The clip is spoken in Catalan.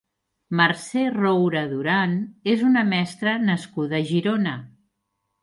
Mercè Roure Duran és una mestra nascuda a Girona.